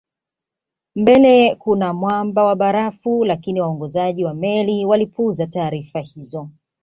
Mbele kuna mwamba wa barafu lakini waongozaji wa meli walipuuza taarifa hizo